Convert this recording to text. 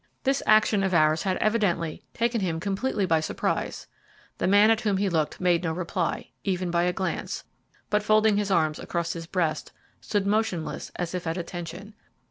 This action of ours had evidently taken him completely by surprise. The man at whom he looked made no reply, even by a glance, but folding his arms across his breast stood motionless as if at attention.